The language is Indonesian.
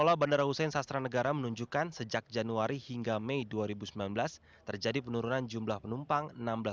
kondisi ini pun dikeluhkan oleh penumpang